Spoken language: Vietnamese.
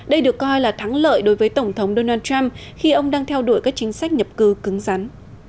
đây được coi là thắng lợi đối với tổng thống donald trump khi ông đang theo đuổi các chính sách nhập cư cứng rắn